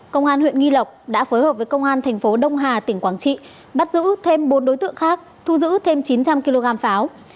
công an huyện nghi lộc đã phối hợp với công an thành phố đông hà tỉnh quảng trị bắt giữ thêm bốn đối tượng khác thu giữ thêm chín trăm linh kg pháo